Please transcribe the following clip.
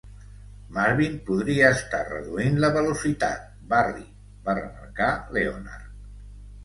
"Marvin podria estar reduint la velocitat, Barry" va remarcar Leonard.